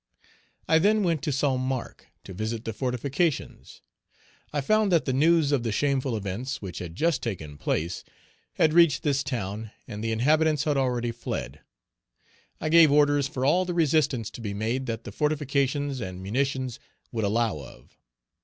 I then went to St. Marc to visit the fortifications. I found that the news of the shameful events which had just taken place had reached this town, and the inhabitants had already fled. I gave orders for all the resistance to be made that the fortifications and munitions would allow of.